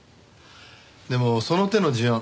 でもその手の事案